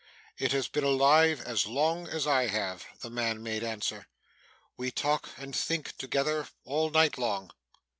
'It has been alive as long as I have,' the man made answer. 'We talk and think together all night long.